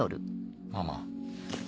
ママ。